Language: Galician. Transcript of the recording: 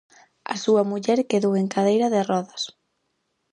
A súa muller quedou en cadeira de rodas.